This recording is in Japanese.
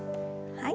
はい。